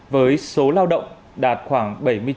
với số lao động đạt khoảng bảy mươi chín